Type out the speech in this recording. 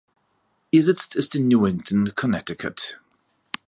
Ihr Sitz ist in Newington, Connecticut.